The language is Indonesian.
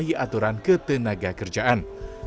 penyelahi aturan ketenaga kerjaan